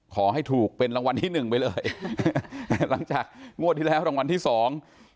ขอให้ถูกเป็นรางวัลที่หนึ่งไปเลยแต่หลังจากงวดที่แล้วรางวัลที่สอง